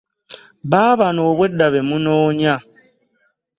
Baabano obwedda be munoonya.